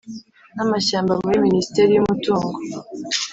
N amashyamba muri minisiteri y umutungo